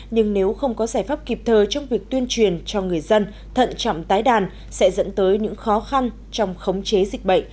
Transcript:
nhưng nếu không có giải pháp kịp thời trong việc tuyên truyền cho người dân thận trọng tái đàn sẽ dẫn tới những khó khăn trong khống chế dịch bệnh